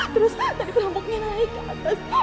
terus tadi perampoknya naik ke atas